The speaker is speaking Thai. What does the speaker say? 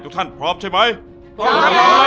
ทุกท่านพร้อมใช่ไหม